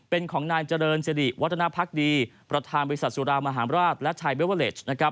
เป็นของนายเจริญสิริวัฒนภักดีประธานบริษัทสุรามหาราชและชายเบเวอร์เลส